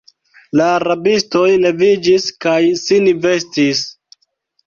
La rabistoj leviĝis kaj sin vestis.